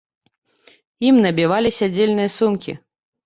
Ім набівалі сядзельныя сумкі.